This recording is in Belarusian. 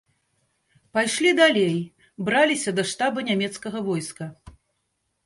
Пайшлі далей, браліся да штаба нямецкага войска.